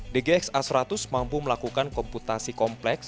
dgx a seratus mampu melakukan komputasi kompleks